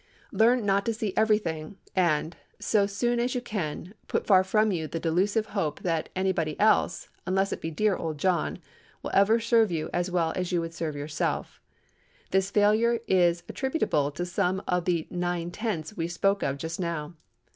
Learn not to see everything, and, so soon as you can, put far from you the delusive hope that anybody else—unless it be dear old John—will ever serve you as well as you would serve yourself. This failure is attributable to some one of the nine tenths we spoke of just now.